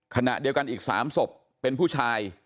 ขณะเดียวกันอีก๓ศพเป็นผู้ชาย